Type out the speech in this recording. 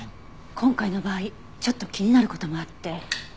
今回の場合ちょっと気になる事もあって。